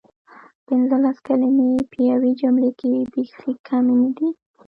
پنځلس کلمې په یوې جملې کې بیخې کمې ندي؟!